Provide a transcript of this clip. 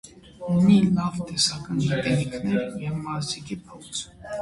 Ունի լավ տեսական գիտելիքներ և մարզիկի փորձ։